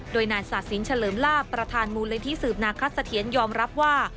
โดยนายศาสินเฉลิมลาบประธานมูลนิธิสืบนาคสะเทียนยอมรับว่า